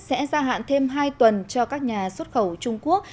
sẽ gia hạn thêm hai tuần cho các nhà xuất khẩu trung quốc